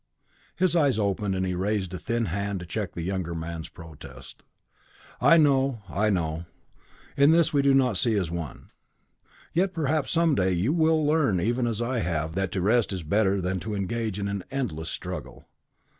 His eyes opened, and he raised a thin hand to check the younger man's protest. "I know I know in this we do not see as one. Yet perhaps some day you will learn even as I have that to rest is better than to engage in an endless struggle.